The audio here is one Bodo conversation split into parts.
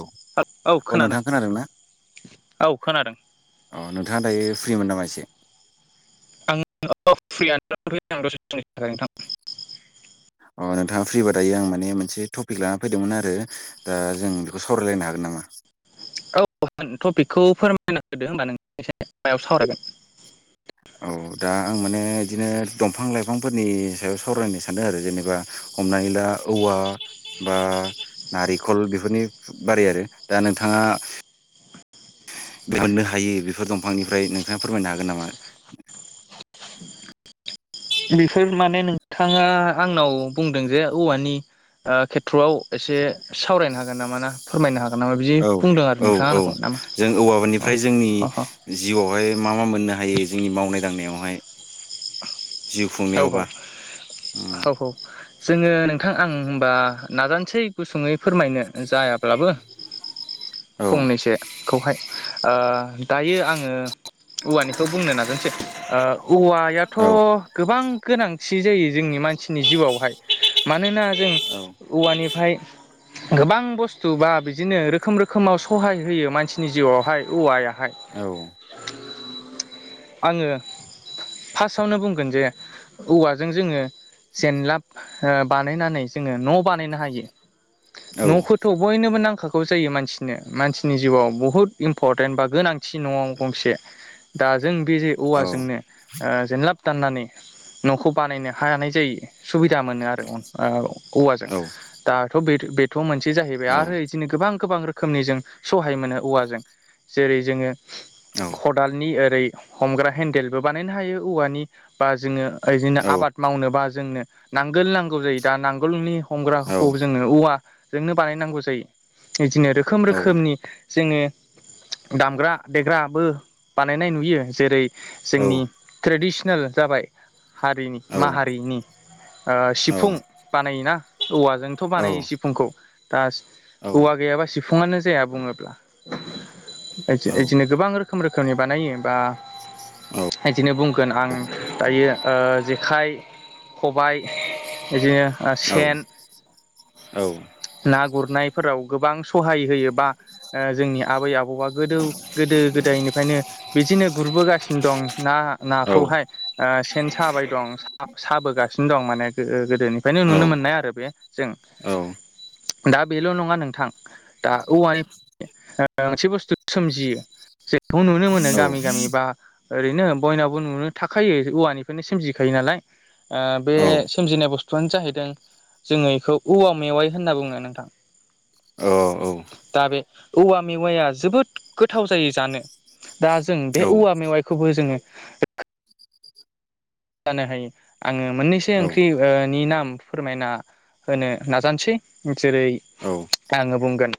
औ औ नोंथाङा खोनादोंना? औ खोनादों औ नोंथाङा दायो फ्रि मोन नामा एसे? [unintelligible] अ नोंथाङा फ्रिबा दायो आं माने मोनसे टपिक लाना फैदोंमोन आरो दा जों बेखौ सावरायलायनो हागोन नामा? औ होन टपिकखौ फोरमायना होदो होनबा नों [unintelligible] सावरायगोन? औ दा आं माने बिदिनो दंफां लाइफांफोरनि सायाव सावरायनो सानदों आरो जेनोबा। हमनानै ला औवा बा नारेंखल बेफोरनि बारै आरो। दा नोंथाङा दिहन्नो हायो बेफोर दंफांनिफ्राय नोंथाङा फोरमायनो हागोन नामा? बेफोर माने नोंथाङा आंनाव बुंदों जे औवानि ओ खे थ्र'आव एसे सावरायनो हागोन नामा ना फोरमायनो हागोन नामा बिदि बुंदों आरो नोंथाङा आंखौ नामा? अ हौवाबानिफ्राय जोंनि जिउआवहाय मा मा मोननो हायो जोंनि मावनाय दांनायाव माय औ औ उम हौ हौ जोङो नोंथां आं होमबा नाजानोसै गुसुङै फोरमायनो जायाब्लाबो। औ फंनैसोखौहाय ओ दायो आङो औवानिखौ बुंनो नाजसै ओ औ औवायाथ' गोबां गोनांथि जायो जोंनि मानसिनि जिउआवहाय। मानोना जों औवानिफ्राय गोबां बुस्थु बा बिदिनो रोखोम रोखोमाव सहाय होयो मानसिनि जिउआवहाय औवाया आङो फार्स्टआवनो बुंगोन जे औवाजों जोङो जेनलाब बानायनानै जोङो न' बानायनो हायो न'खौथ' बयनोबो नांखागौ जायो मानसिनो मानसिनि जिउआव बहुद इम्परटेन्ट बा गोनांथि न'आव गंसे दा जों बे जे औवाजोंनो जेनलाब दाननानै न'खौ बानायनो हानाय जायो। सुबिदा मोनो आरो औवाजों दाथ' बेथ' मोनसे थसे जाहैबाय आरो बिदिनो गोबां गोबां रोखोमनि जों सहाय मोनो औवाजों जेरै जोङो खदालनि ओरै हमग्रा हेन्देलबो बानायनो हायो औवानि बा जोङो ओदिनो आबाद मावनोबा जोंनो नांगोल नांगौ जायो दा नांगोलनि हमग्राखौ जोंनो औवाजोंनो बानायनांगौ जायो। बिदिनो रोखोम रोखोमनि जोङो दामग्रा देग्राबो बानायनाय नुयो जेरै जोंनि ट्रेडिसनेल जाबाय हारिनि माहारिनि सिफुं बानायोना औवाजोंथ' बानायो सिफुंखौ दा औवा गैयाबा सिफुङानो जाया बुङोब्ला । बिदिनो गोबां रोखोम रोखोमनि बानायो बा बिदिनो बुंगोन आं दायो जेखाइ खबाय बिदिनो सेन ना गुरनायफोराव गोबां सहाय होयोबा जोंनि आबै आबौआ गोदौ गोद गोदो गोदायनिफ्रायनो बिदिनो गुरबोगासिनो दं ना औ नाखौहाय सेन साबाय दं। दं साबोगासिनो दं माने गोदोनिफ्रायनो औ नुनो मोननाय आरो बे जों औ दा बेल' नङा नोंथां दा औवानि मोनसे बुस्थु सोमजियो। जोंखौ नुनो मोनो गामि गामि बा ओरैनो बयनावबो नुनो थाखायो औवानिफ्रायनो सोमजिखायो। नाल बे सजिनाय बुस्थुआनो जाहैदों जोङो बेखौ औवा मेवाय होनना बुङो नोंथां। औ औ दा बे औवा मेवाया जोबोद गोथाव जायो जानो। दा जों बे औवा मेवाइखौबो जोङो जानोहै आङो मोननैसो ओंख्रि ओ नि नाम फोरमायना होनो नाजानोसै जेरै आङो बुंगोन।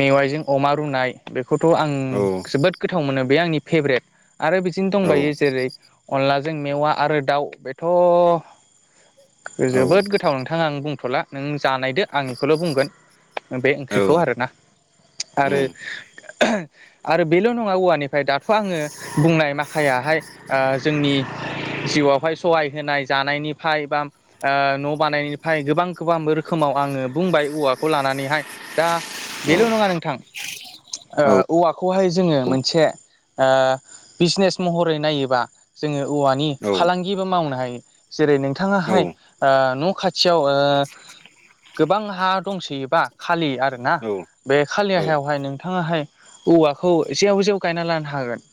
मेवाइजों अमा रुनाय बेखौथ' आं जोबोद गोथाव मोनो बे आंनि फेभ्रेट आरो बिदिनो दंबायो जेरै अनलाजों मेवा आरो दाउ बेथ' जोबोद गोथाव नोंथाङा आं बुंथ'ला नों जानायदो आंनिखौल' बुंगोन। बे ओंख्रिखौ आरोना आरो आरो बेल' नङा औवानिफ्राय दाथ' आङो बुंनाय माखायाहाय ओ जोंनि जिउआवहाय सहाय होनाय जानायनिफ्राय बा ओ न' बानायनिफ्राय गोबां खोबां रोखोमाव। आंनो बुंबाय औवाखौ लानानैहाय दा बेल' नङा नोंथां। ओ औवाखौहाय जोङो मोनसे आ बिजनेस महरै नायोबा जोङो औवानि फालांगिबो मावनो हायो जेरै नोंथाङाहाय आ न' खाथियाव ओ ओ गोबां हा दंसोयोबा खालि आरोना बे खालि आाहायावहाय नोंथाङाहाय औवाखौ जेव जेव गायना लानो हागोन।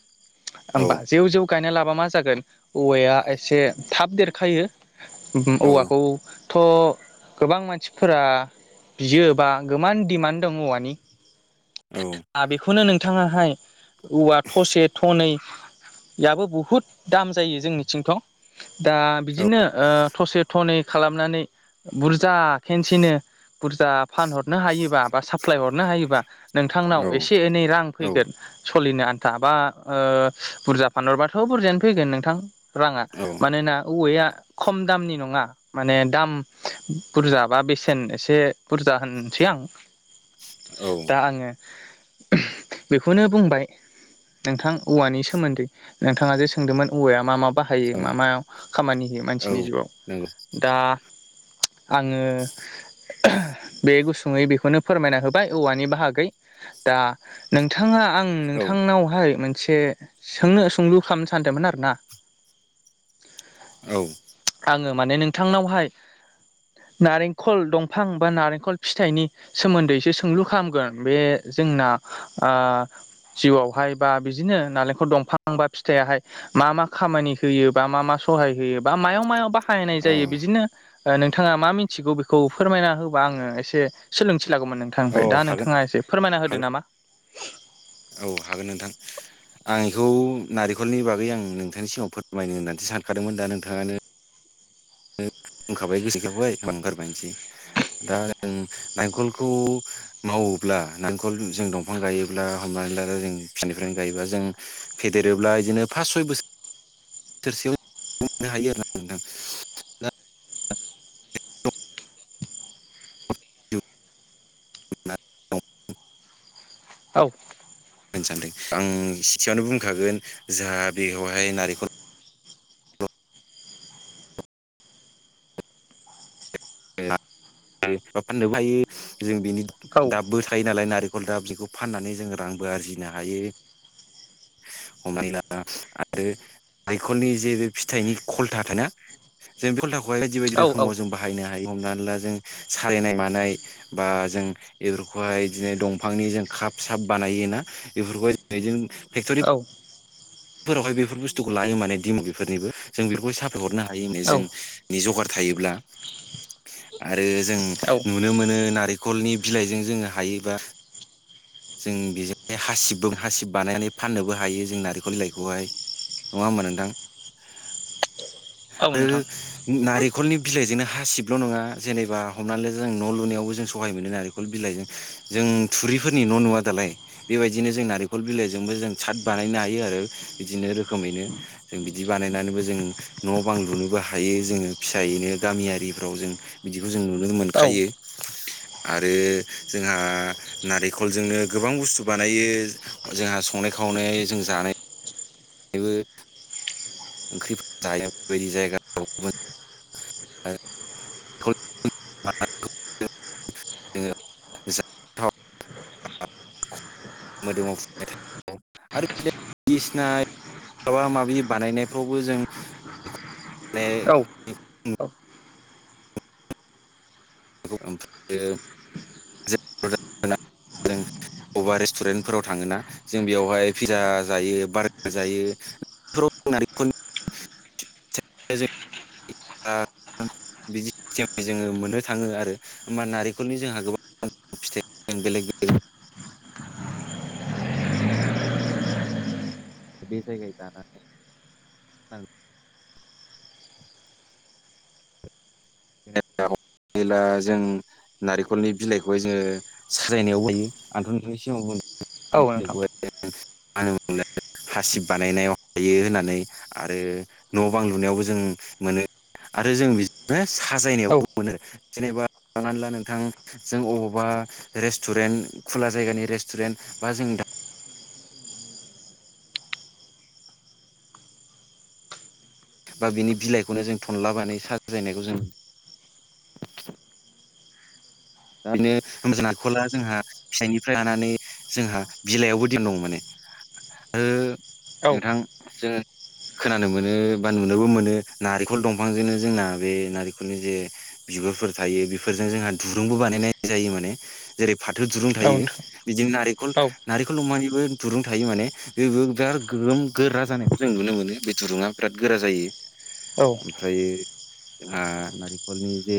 होमबा जेव जेव गायना लाबा मा जागोन औवाया एसे थाब देरखायो ओमहो औवाखौथ' गोबां मानसिफोरा बियो बा गोमान डिमान्ड दं औवानि दा बेखौनो नोंथाङाहाय औवा थसे थनै बेयाबो बहुद दाम जायो जोंनिथिंथ' दा बिदिनो ओ थसे थनै खालामनानै बुरजा खेनसेनो बुरजा फानहरनो हायोबा बा साप्लााय हरनो हायोबा नोंथांनाव एसे एनै रां फैगोन। सलिनो आन्था बा ओ बुरजा फानहरबाथ' बुरजायानो फैगोन नोंथां राङा मानोना औवाया खम दामनि नङा माने दाम बुरजा बा बेसेन एसे बुरजा होनसै आं औ। दा आङो बेखौनो बुंबाय नोंथां औवानि सोमोन्दै नोंथाङा जे सोंदोंमोन औवाया मा मा बाहायो म मा खामानि होयो मानसिनि जिउआव। दा आङो बे गुसुङै बेखौनो फोरमायना होबाय औवानि बाहागै दा नोंथाङा आं नोंथांनावहाय मोनसे सोंनो सोंलु खालामनो सानदोंमोन आरो नाटक? औ आङो माने नोंथांनावहाय नारेंखल दंफां बा नारेंखल फिथाइनि सोमोन्दैसो सोंलु खालामगोन बे जोंना आ जिउआवहाय बा बिदिनो नालेंखल दंफां बा फिथायाहाय मा मा खामानि होयो बा मा मा सहाय होयो बा मायाव मायाव बाहायनाय जायो अ बिदिनो ओ नोंथाङा मा मिथिगौ बेखौ फोरमायना होबा आङो एसे सोलोंसै लागौमोन औ नोंथांनिफ्राय दा हागोन नोंथाङा एसे फोरमायना होदो हागोन नामा? औ हागोन नोंथां। आं थ' नारेंखलनि बागै आं नोंथांनि सिगाङाव फोरमायनो होन्नानैसो सानखादोंमोन दा नोंथाङानो बुंखाबाय गोसोखांबाय बांंखारबायसै दा नेंखलखौ माव अब्ला नालेंखर जों दंफां गायोब्ला हमनानै ला जों फिसानिफ्रायनो गायोब्ला जों फेदेरोबा अब्ला बिदिनो फास सय बोसो सोरसेयावनो हायो आरो ना नोंथां दा [unintelligible] औ। होननो सानदों आं सिसेयावनो बुंखागोन जोंहा बेयावहाय नारेंखल बा फाननोबो हायो जों बिनि दाबबो थायो नालाय नारेंख खलदाब बेखौ फाननानै जोङो रांबो आरजिनो हायो। हमनायला आरो हायखलनि जे फिथाइनि खलथा थायो ना जों बे खलथाखौहाय बायदि बायदि औ रोखोमाव जों बाहायनो हायो हमनानै ला सालायनाय मानाय बा जों बेफोरखौहाय बिदिनो दंफांनि जों खप साब बानायो। ना बेफोरखौ जों औ। फोरावहाय बेफोर बुस्थुखौ लायो माने दिम बेफोरनिबो जों बेफोरखौहाय साफाय हरनो हायो माने औ जोंनि जगार थायोब्ला आरो जों औ नुनो मोनो नारि खल बिलाइजों जोङो हायोबा जों बेजों हासिबबो हासिब बानायनानै फाननोबो हायो जोंना आरोखि। बिलाइखौहाय नङा होनबा नोंथां? औ आरो नोंथां नारि खलनि बिलाइजोंनो हासिबल' नङा जेनेबा हमनानै ला जों न' लुनायावबो जों सहाय मोनो नारिखल बिलाइ जों थुरिफोरनि न' नुवा दालाय बेबायदिनो जों नारेंखल बिलाइजोंबो जों साद बानायनो हायो आ रो बिदिनो रोखोमैनो जों बिदि बानायनानैबो जों न' बां लुनोबो हायो जोंङो फि सायैनो गामियारिफ्राव जों बिदिखौ जों नुनो औ मोनखायो। आरो जोंहा नारेंखलजोंनो गोबां बुस्थु बानायो जोंहा संनाय खाव नाय जों जानाय [unintelligible] ओंख्रिफोर जायो बेबायदि जायगा आरो [unintelligible] [unintelligible] मोदोमाव फुननो थाखाय आरो बायदिसिना माबा माबि बानायनाय फोरावबो जों औ माने [unintelligible] बबेबा रेस्टुरेन्टफोराव थांङोना जों बेयावहाय पिज्जा जायो बारगार जायो [unintelligible] [unintelligible] बिदि सिगांनिफ्राय जोंङो मोननो थाङो आरो होमबा नारेंखलनि जोंहा गोबां फिथाइ बेलेग-बेलेग [unintelligible] बे जायगायाव जाना नै ओं [unintelligible] जेला जों नारेंखलनि बिलाइखौहाय जोंङो साजायनायाव होयो आरो नोंथांनि सिगाङाव बुंदों औ नोंथां [unintelligible] हासिब बानायनायाव हायो होननानै आरो न'बां लुनायावबो जों मोनो आरो जों बिदिनो औ नोंथां औ साजायनायावबो मोनो जेनेबा हमनानै ला नोंथां जों अबावबा रेस्टुरेन्ट खुला जायगानि रेस्टुरेन्ट बा जों दा बा बिनि बिलाइखौनो जों थनला बानाय साजायनायखौ जों दा बिनो जोंहा नारिखला जोंहा फिसाइनिफ्राय लानानै जोंहा बिलाइआवबो दिन दं माने ओ औ नोंथां जों खोनानो मोनो बा नुनोबो मोनो नारेंखल दंफांजोंनो जोंना बे नारेंखलनि जे बिगुर फोर थायो बेफोरजों जोंङो दु दुरुंबो बानायनाय जायो माने जेरै फाथो दुरुं थायो बिदिनो नारेंखल-नारेंखल दंफांनि बे दुरुं थायो माने बेबो बिराद गोगोम गोरा जानायखौ जों नुनो मोनो बे दुरुंङा बिराद गोरा जायो। ओमफ्रायो जोंहा नारिखलनि जे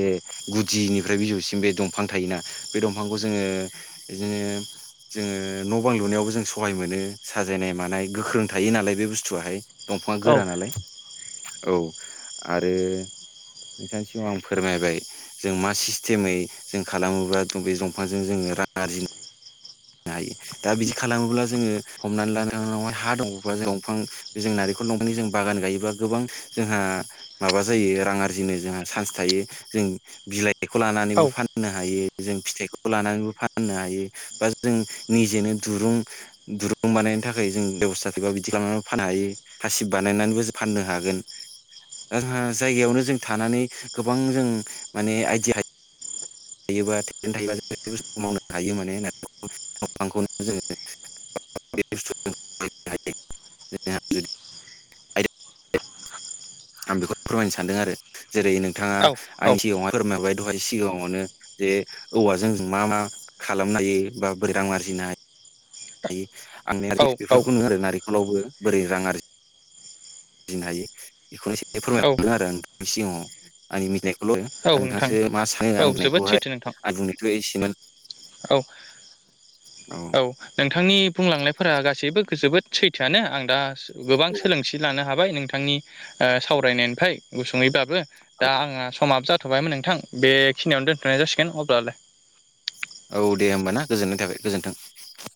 गुदिनिफ्राय बिजौसिम बे दंफां थायोना बे दंफांखौ जोंङो बिदिनो जोंङो न'बां लुनायावबो जों सहाय मोनो साजायनाय मानाय गोख्रों थायो नालाय बे बुस्थुआहाय दंफाङा गोरा नालाय औ आरो नोंथांनिसिमाव आं फोरमायबाय जों मा सिस्टेमै जों खालामोब्ला थ बे दंफांजों जोंङो रां आरजिनो हायो दा बिदि खालामोब्ला जोंङो हमनानै ला नोंथां नावहाय हा दंब्ला जों दंफां जों नारेंखर जों बागान गायोबा गोबां जोंहा माबा जायो रां आरजिनो जोंहा चान्स थायो। जों बिलाइखौ लानानैबो‌ फाननो हायो जों फिथायखौ लानानैबो फननो हायो बा‌ जों जों निजेनो दुरुं-दुरुं बानायनो थाखाय जों बेब'स्था बा बिदि खालामनानै फानो हायो। हासिब बानायनानैबो जों फाननो हागोन। ओ जायगायावनो जों थानानै गोबां जों माने आइडिया हा थायोबा टेलेन्ट थायोबा जों बे बुस्थुखौ मावनो हायो माने दंफांखौनो जोंङो [inaudible] [inaudible] आं बेखौ फोरमायनो सानदों आरो जेरै नोंथाङा आंनि सिगाङावहाय फोरमायहरबाय दहाय सिगाङावनो जे औवाजों मा मा खालामनो हायो बा बोरै रां आरजिनो हा आंनि [inaudible] बिफोरखौनो आरो नारेंखलावबो बोरै रां आरजि जिनो हायो बेखौनो ए फोरमाय [inaudible] नोंथांनि सिगाङाव आंनि मिथिनाय औ औ [unintelligible] नोंथां औ नोंथांसो मा सानो आं जोबोद बुंनायखौहाय सैथो नोंथां आं बुंनायथो एसिमोन औ । औ नोंथांनि बुंलांनायफोरा गासैबो जोबोद सैथोआनो आं दा गोबां सोलोंथि लानो हाबाय नोंथांनि ओ सावरायनायनिफ्राय गुसुङैब्लाबो । औ दा आंहा समाबो जाथ'बायमोन नोंथां बेखिनियावनो दोन्थ'नाय जासिगोन अब्लालाय । औ दे होमबाना गोजोननाय थाबाय गोजोन्थों ।